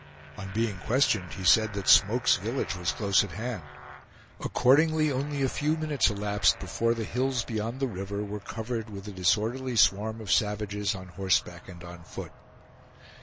On being questioned, he said that Smoke's village was close at hand. Accordingly only a few minutes elapsed before the hills beyond the river were covered with a disorderly swarm of savages, on horseback and on foot.